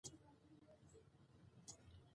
هغه د خپلو اتلانو په کړاوونو کې د پوهې لاره موندله.